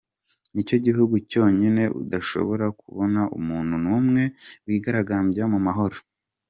Nicyo gihugu cyonyine udashobora kubona umuntu n’umwe wigaragambya mu mahoro